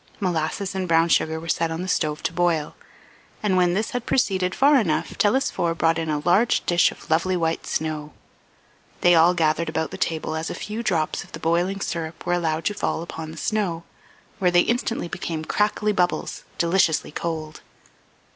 Molasses and brown sugar were set on the stove to boil, and when this had proceeded far enough Telesphore brought in a large dish of lovely white snow. They all gathered about the table as a few drops of the boiling syrup were allowed to fall upon the snow where they instantly became crackly bubbles, deliciously cold.